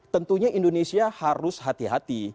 tentunya indonesia harus hati hati